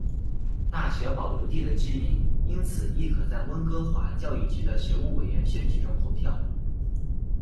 大学保留地的居民因此亦可在温哥华教育局的学务委员选举中投票。